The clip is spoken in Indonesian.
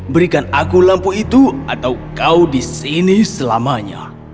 berikan aku lampu itu atau kau di sini selamanya